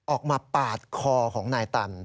ออกมาปาดคอของนายตัน